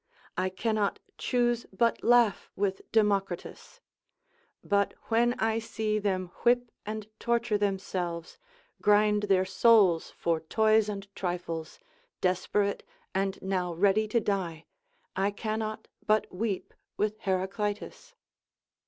I cannot choose but laugh with Democritus: but when I see them whip and torture themselves, grind their souls for toys and trifles, desperate, and now ready to die, I cannot but weep with Heraclitus.